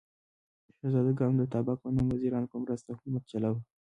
شهزادګانو د اتابک په نوم وزیرانو په مرسته حکومت چلاوه.